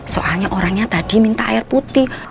soalnya orangnya tadi minta air putih